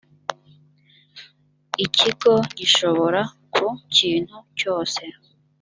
ikigo gishobora ku kintu cyose